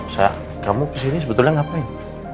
saya kamu kesini sebetulnya ngapain